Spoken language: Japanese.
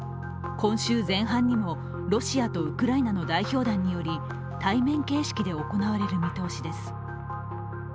今週前半にも、ロシアとウクライナの代表団により対面形式で行われる見通しです。